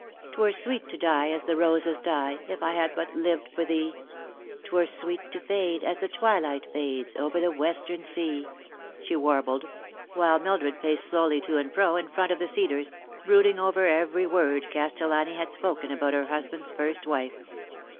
14 'Twere sweet to die as the roses die, If I had but lived for thee; 'Twere sweet to fade as the twilight fades Over the western sea," she warbled, while Mildred paced slowly to and fro in front of the cedars, brooding over every word Castellani had spoken about her husband's first wife.